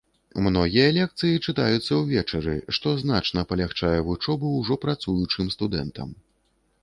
Многія лекцыі чытаюцца ўвечары, што значна палягчае вучобу ўжо працуючым студэнтам.